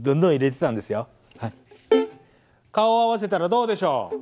顔を合わせたらどうでしょう。